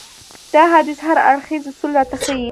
دا حديث هر اړخيز اصول راته ښيي.